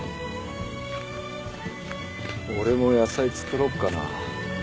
俺も野菜作ろっかな。